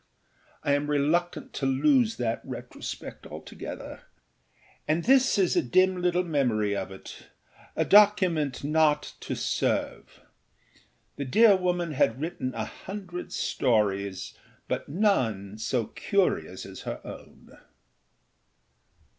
I am reluctant to lose that retrospect altogether, and this is a dim little memory of it, a document not to âserve.â The dear woman had written a hundred stories, but none so curious as her own.